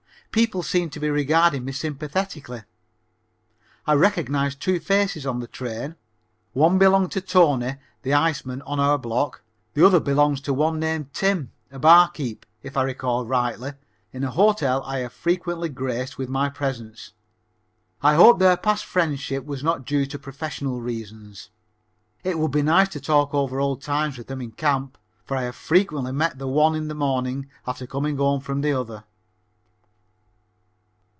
People seem to be regarding me sympathetically. I recognize two faces on this train. One belongs to Tony, the iceman on our block; the other belongs to one named Tim, a barkeep, if I recall rightly, in a hotel I have frequently graced with my presence. I hope their past friendship was not due to professional reasons. It would be nice to talk over old times with them in camp, for I have frequently met the one in the morning after coming home from the other.